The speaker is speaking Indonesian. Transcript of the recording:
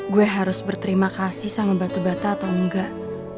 gue harus berterima kasih sama batu bata atau enggak